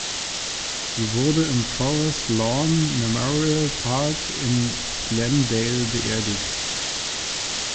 Sie wurde auf dem Forest Lawn Memorial Park in Glendale beerdigt.